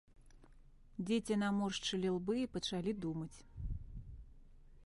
Дзеці наморшчылі лбы і пачалі думаць.